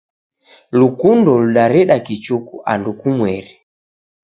lukundo ludareda kichuku andu kumweri.